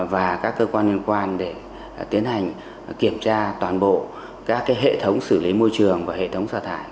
và các cơ quan liên quan để tiến hành kiểm tra toàn bộ các hệ thống xử lý môi trường và hệ thống xa thải